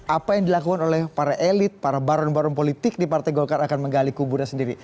apa yang dilakukan oleh para elit para baron baron politik di partai golkar akan menggali kuburnya sendiri